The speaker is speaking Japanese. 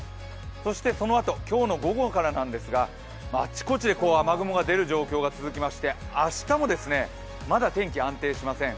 そしてそのあと、今日の午後からなんですがあちこちで雨雲が出る状況が続きまして明日もまだ天気、安定しません。